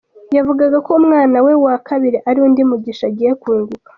Yavugaga ko umwana we wa kabiri ‘ari undi mugisha agiye kunguka’.